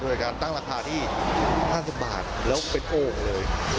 โดยการตั้งราคาที่๕๐บาทแล้วก็เป็นโอ่งเลย